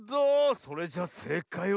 それじゃせいかいは。